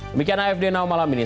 demikian afd now malam ini